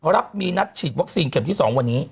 รับมีนัดฉีดวัคซีนเข็มที่๒วันนี้